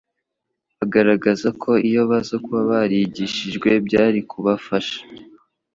bagaragaza ko iyo baza kuba barigishijwe byari kubafsha